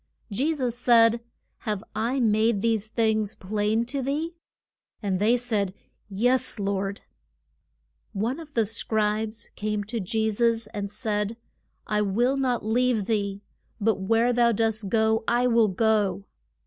Je sus said, Have I made these things plain to thee? And they said, Yes, Lord. [Illustration: PAR A BLE OF THE NETS.] One of the Scribes came to Je sus, and said, I will not leave thee; but where thou dost go I will go.